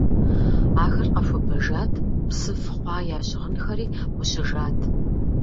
Ахэр къэхуэбэжат, псыф хъуа я щыгъынхэри гъущыжат.